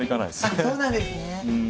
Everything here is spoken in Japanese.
あっそうなんですね。